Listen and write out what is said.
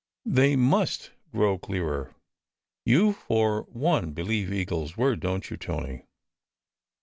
They must grow clearer! You for one believe Eagle s word, don t you, Tony?